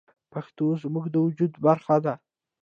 پښتو زموږ د وجود برخه ده.